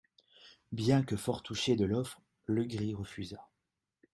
Bien que fort touché de l'offre, Legris refusa.